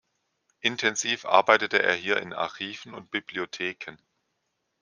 Intensiv arbeitete er hier in Archiven und Bibliotheken.